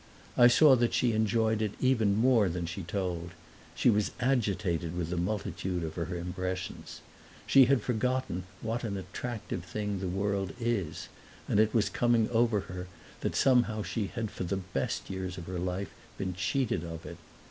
I saw that she enjoyed it even more than she told; she was agitated with the multitude of her impressions. She had forgotten what an attractive thing the world is, and it was coming over her that somehow she had for the best years of her life been cheated of it.